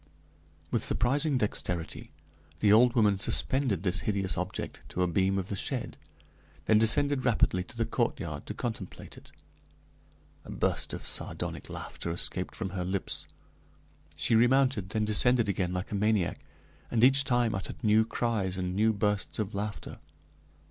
With surprising dexterity the old woman suspended this hideous object to a beam of the shed, then descended rapidly to the courtyard to contemplate it. A burst of sardonic laughter escaped from her lips; she remounted, then descended again like a maniac, and each time uttered new cries and new bursts of laughter.